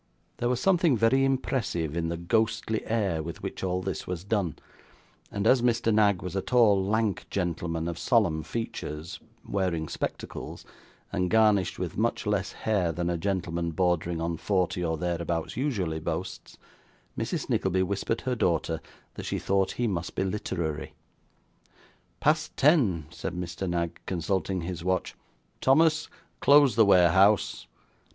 There was something very impressive in the ghostly air with which all this was done; and as Mr. Knag was a tall lank gentleman of solemn features, wearing spectacles, and garnished with much less hair than a gentleman bordering on forty, or thereabouts, usually boasts, Mrs Nickleby whispered her daughter that she thought he must be literary. 'Past ten,' said Mr. Knag, consulting his watch. 'Thomas, close the warehouse.